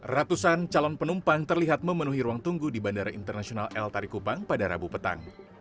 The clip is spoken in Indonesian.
ratusan calon penumpang terlihat memenuhi ruang tunggu di bandara internasional el tari kupang pada rabu petang